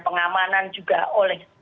pengamanan juga oleh